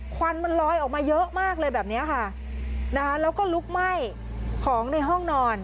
ควันมันลอยออกมาเยอะมากเลยแบบเนี้ยค่ะนะคะแล้วก็ลุกไหม้ของในห้องนอน